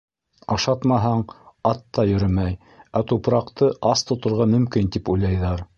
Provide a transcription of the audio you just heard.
Ашатмаһаң, ат та йөрөмәй, ә тупраҡты ас тоторға мөмкин, тип уйлайҙар.